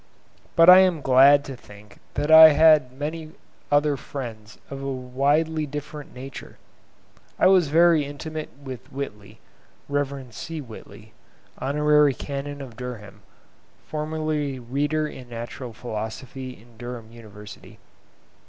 But I am glad to think that I had many other friends of a widely different nature. I was very intimate with Whitley (Rev. C. Whitley, Hon. Canon of Durham, formerly Reader in Natural Philosophy in Durham University.)